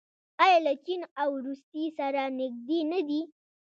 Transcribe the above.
آیا له چین او روسیې سره نږدې نه دي؟